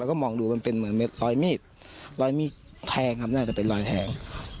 แล้วก็มองดูมันเป็นเหมือนเม็ดรอยมีดรอยมีดแทงครับน่าจะเป็นรอยแทง